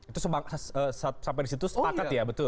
itu sampai di situ sepatat ya